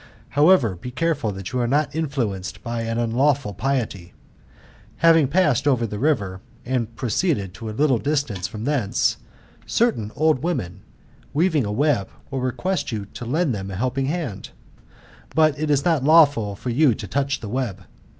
However, be careful that you are not influenced by any unlawful piety. Having passed over the river, and proceeded to a little distance from thence, certain old women, weaving a web, will request you to lend them a helping hand ; but it is not lawful for you to toudi the web.